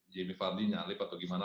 jimmy vardy menyalip atau bagaimana